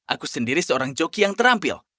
aku sendiri seorang joki yang terampil